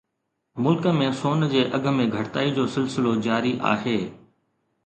ملڪ ۾ سون جي اگهه ۾ گهٽتائي جو سلسلو جاري آهي